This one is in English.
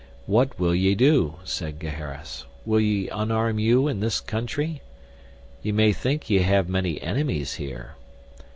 What will ye do, said Gaheris, will ye unarm you in this country? Ye may think ye have many enemies here.